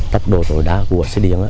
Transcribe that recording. tốc độ tối đa của xe điện